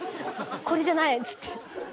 「これじゃない」っつって。